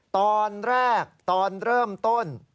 ตอนแรกตอนเริ่มต้น